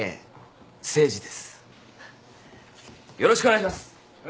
よろしくお願いします。